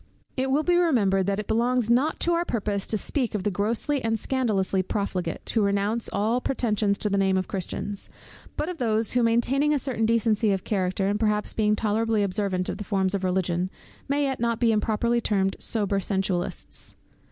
It will be remembered, that it belongs not to our purpose to speak of the grossly and scandalously profligate, who renounce all pretensions to the name of Christians; but of those who, maintaining a certain decency of character, and perhaps being tolerably observant of the forms of Religion, may yet be not improperly termed sober sensualists.